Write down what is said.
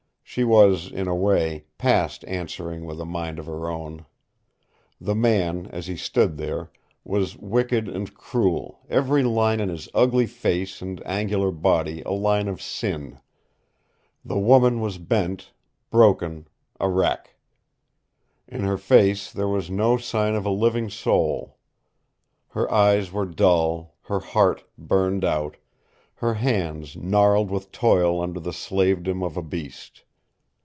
She was, in a way, past answering with a mind of her own. The man, as he stood there, was wicked and cruel, every line in his ugly face and angular body a line of sin. The woman was bent, broken, a wreck. In her face there was no sign of a living soul. Her eyes were dull, her heart burned out, her hands gnarled with toil under the slavedom of a beast.